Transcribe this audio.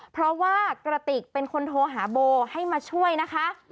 เพราะว่ากระติกเป็นคนโทรหาโบให้มาช่วยนะคะ